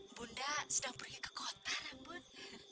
bunda sedang pergi ke kota namun